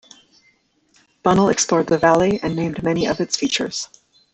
Bunnell explored the Valley and named many of its features.